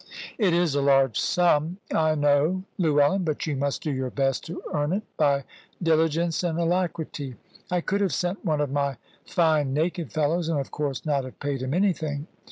"It is a large sum, I know, Llewellyn. But you must do your best to earn it, by diligence and alacrity. I could have sent one of my fine naked fellows, and of course not have paid him anything.